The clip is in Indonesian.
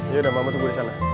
yaudah mama tunggu disana